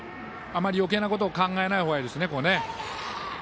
あまり、よけいなことは考えないほうがいいですね。